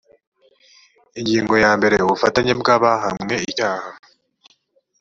ingingo ya mbarea ubufatanye bw’abahamwe icyaha